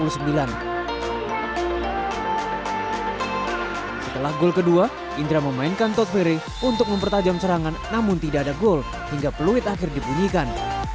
setelah gol kedua indra memainkan todverei untuk mempertajam serangan namun tidak ada gol hingga peluit akhir dibunyikan